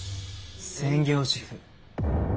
専業主婦。